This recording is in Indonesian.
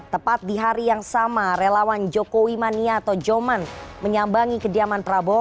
tepat di hari yang sama relawan jokowi mania atau joman menyambangi kediaman prabowo